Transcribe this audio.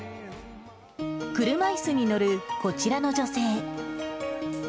車いすに乗るこちらの女性。